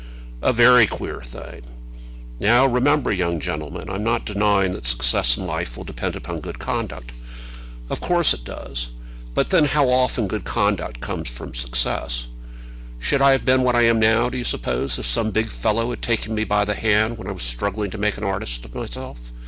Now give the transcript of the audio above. "A very queer thing. Now, remember, young gentlemen, I'm not denying that success in life will depend upon good conduct; of course it does; but, then, how often good conduct comes from success! Should I have been what I am now, do you suppose, if some big fellow had taken me by the hand when I was struggling to make an artist of myself?